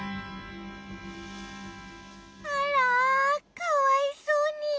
あらかわいそうに。